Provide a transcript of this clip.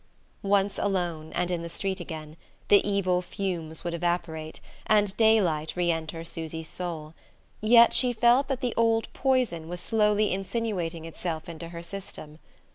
Once alone, and in the street again, the evil fumes would evaporate, and daylight re enter Susy's soul; yet she felt that the old poison was slowly insinuating itself into her system.